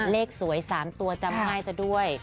เลขสวย๓ตัวจำให้กันด้วย